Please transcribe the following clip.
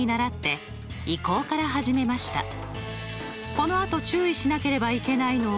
このあと注意しなければいけないのは。